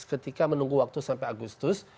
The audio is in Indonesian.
ketika menunggu waktu sampai agustus